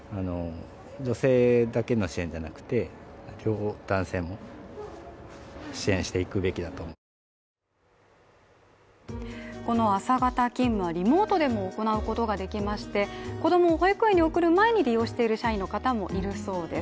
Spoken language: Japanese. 保育園で話を聞くとこの朝型勤務はリモートでも行うことができまして、子供を保育園に送る前に利用している社員の方もいるそうです。